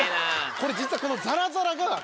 これ実はこの。